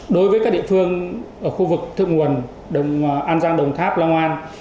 đối với các địa phương ở khu vực thượng nguồn đồng an giang đồng tháp long an